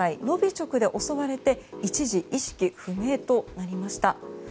ノビチョクで襲われて一時、意識不明となりました。